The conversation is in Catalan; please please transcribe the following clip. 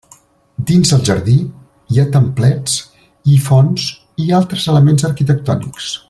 Dins el jardí hi ha templets i fonts i altres elements arquitectònics.